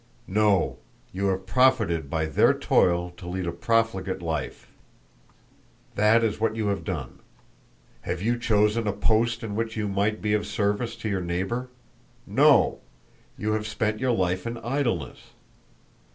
No! You have profited by their toil to lead a profligate life. That is what you have done. Have you chosen a post in which you might be of service to your neighbor? No! You have spent your life in idleness.